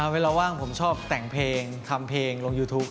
เวลาว่างผมชอบแต่งเพลงทำเพลงลงยูทูป